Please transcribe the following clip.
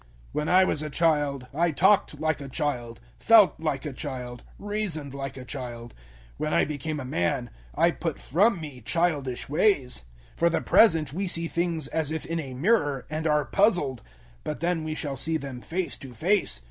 013:011 When I was a child, I talked like a child, felt like a child, reasoned like a child: when I became a man, I put from me childish ways. 013:012 For the present we see things as if in a mirror, and are puzzled; but then we shall see them face to face.